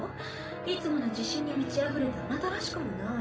いつもの自信に満ちあふれたあなたらしくもない。